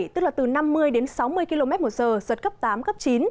tức là từ năm mươi đến sáu mươi km một giờ giật cấp tám cấp chín